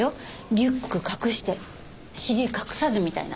リュック隠して尻隠さずみたいな。